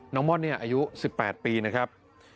ม่อนเนี่ยอายุ๑๘ปีนะครับ